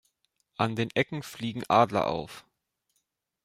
An den Ecken fliegen Adler auf.